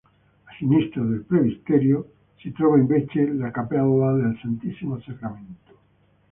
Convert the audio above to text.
A sinistra del presbiterio si trova invece la cappella del Santissimo Sacramento.